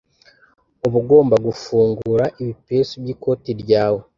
uba ugomba gufungura ibipesu by’ikoti ryawe